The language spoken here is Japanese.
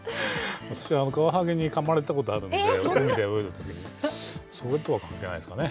私はカワハギにかまれたことあるんで、海で泳いでるとき、それとは関係ないですかね。